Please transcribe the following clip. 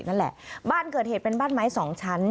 นั่นแหละบ้านเกิดเหตุเป็นบ้านไม้สองชั้น